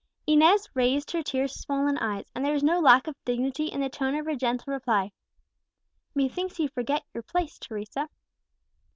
Inez raised her tear swollen eyes, and there was no lack of dignity in the tone of her gentle reply, "Methinks you forget your place, Teresa."